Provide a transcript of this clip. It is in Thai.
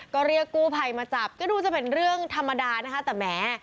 ก็เรียกกู้ภัยมาจับก็ดูจะเป็นเรื่องธรรมดานะคะแต่แหม